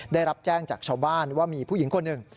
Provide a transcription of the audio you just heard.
ได้รับแจ้งจากชาวบ้านว่ามีผู้หญิงคนหนึ่ง